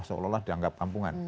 masyarakat ini dianggap kampungan